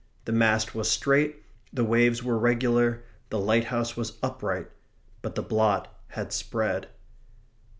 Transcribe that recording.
The mast was straight; the waves were regular; the lighthouse was upright; but the blot had spread.